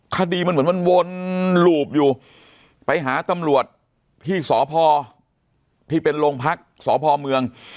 คดีมันเหมือนมันวนหลูบอยู่ไปหาตำรวจที่สพที่เป็นโรงพักสพเมือง